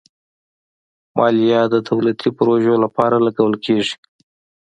مالیه د دولتي پروژو لپاره لګول کېږي.